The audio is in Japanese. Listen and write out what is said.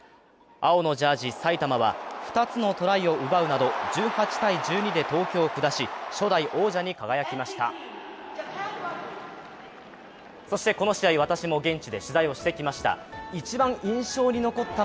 青のジャージー、埼玉は２つのトライを奪うなど１８−１２で東京を下し、初代王者に輝きました。